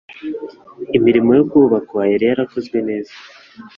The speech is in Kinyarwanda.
Imirimo yo kubaka yari yarakozwe neza